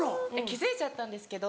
気付いちゃったんですけど。